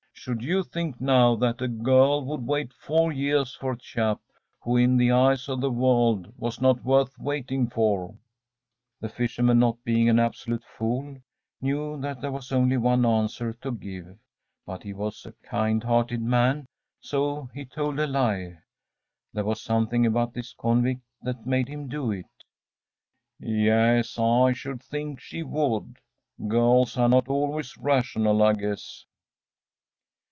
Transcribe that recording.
“Should you think, now, that a girl would wait four years for a chap who, in the eyes of the world, was not worth waiting for?‚ÄĚ The fisherman, not being an absolute fool, knew that there was only one answer to give. But he was a kind hearted man, so he told a lie. There was something about this convict that made him do it. “Yes; I should think she would. Girls are not always rational, I guess.